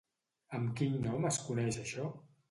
Amb quin nom es coneix això?